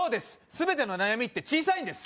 全ての悩みって小さいんです